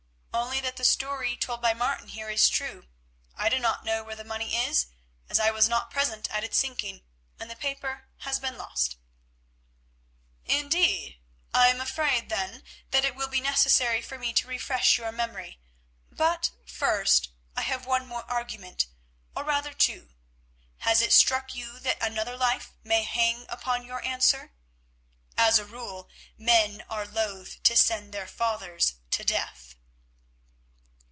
"Only that the story told by Martin here is true. I do not know where the money is, as I was not present at its sinking, and the paper has been lost." "Indeed? I am afraid, then, that it will be necessary for me to refresh your memory, but, first, I have one more argument, or rather two. Has it struck you that another life may hang upon your answer? As a rule men are loth to send their fathers to death."